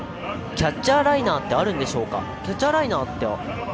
キャッチャーライナーってあるんでしょうかときてます。